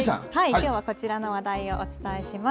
きょうはこちらの話題をお伝えします。